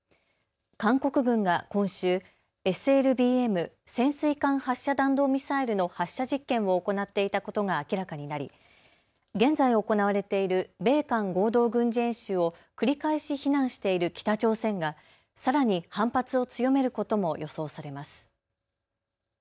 韓国軍が今週、ＳＬＢＭ・潜水艦発射弾道ミサイルの発射実験を行っていたことが明らかになり現在行われている米韓合同軍事演習を繰り返し非難している北朝鮮がさらに反発を強めることも予想されます。